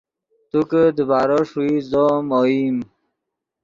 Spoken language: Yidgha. تو کہ دیبارو ݰوئیت زو ام اوئیم